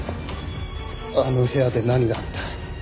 あの部屋で何があった？